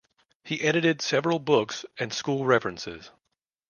He edited several books and school references.